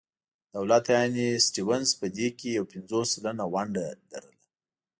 دولت یعنې سټیونز په دې کې یو پنځوس سلنه ونډه لرله.